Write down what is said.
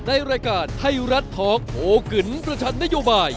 ในรายการไทรัตท้องโหกินประชานโยบาย